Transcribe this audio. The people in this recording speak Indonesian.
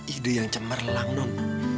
ide yang cemerlang non